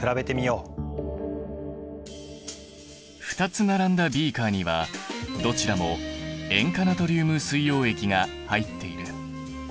２つ並んだビーカーにはどちらも塩化ナトリウム水溶液が入っている。